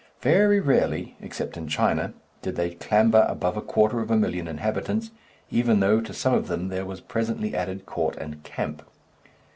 Very rarely, except in China, did they clamber above a quarter of a million inhabitants, even though to some of them there was presently added court and camp.